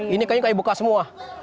ini kayaknya kayu bekas semua